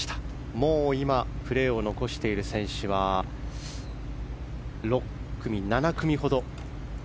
もう今プレーを残している選手は７組ほど。